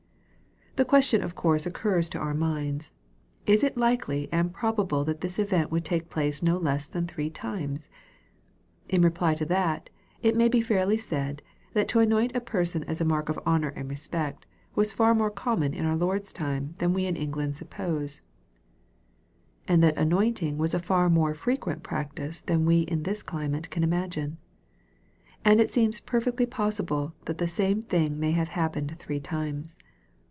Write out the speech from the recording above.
The question of course occurs to our minds :" Is it likely and prob able that this event would take place no less than three times ?" In reply to that, it may be fairly said, that to anoint a person as a mark of honor and respect, was far more common in our Lord's time than we in England suppose ; and that anointing was a far more frequent practice than we hi this climate can imagine. And it seems per fectly possible that the same thing may have happened three times.